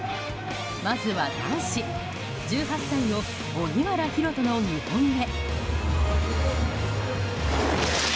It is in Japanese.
まずは男子１８歳の荻原大翔の２本目。